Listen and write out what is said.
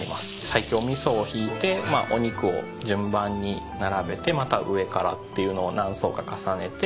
西京味噌をひいてお肉を順番に並べてまた上からっていうのを何層か重ねて。